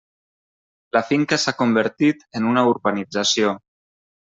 La finca s'ha convertit en una urbanització.